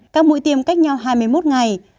các mũi tiêm cách nhau hai mươi một ngày